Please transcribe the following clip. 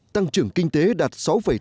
tăng trưởng kinh tế đạt sáu tám mươi một